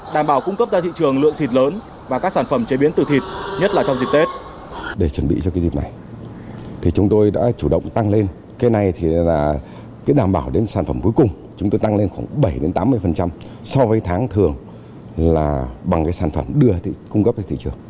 đảm bảo cung cấp ra thị trường lượng thịt lớn và các sản phẩm chế biến từ thịt nhất là trong dịp tết